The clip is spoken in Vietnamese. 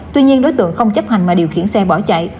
tuy nhiên đối tượng không chấp hành mà điều khiển xe bỏ chạy